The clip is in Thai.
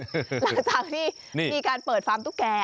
หลังจากที่มีการเปิดฟาร์มตุ๊กแก่